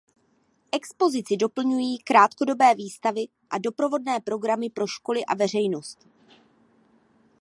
Expozici doplňují krátkodobé výstavy a doprovodné programy pro školy a veřejnost.